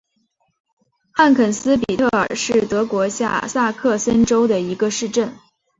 汉肯斯比特尔是德国下萨克森州的一个市镇。